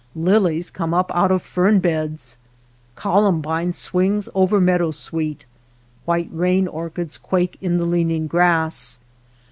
Lilies come up out of fern beds, columbine swings over meadow sweet, white rein orchids quake in the lean ing grass.